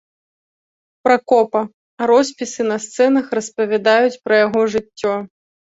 Пракопа, а роспісы на сцэнах распавядаюць пра яго жыццё.